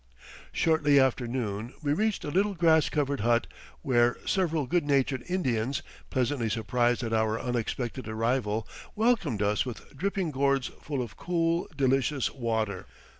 Shortly after noon we reached a little grass covered hut where several good natured Indians, pleasantly surprised at our unexpected arrival, welcomed us with dripping gourds full of cool, delicious water.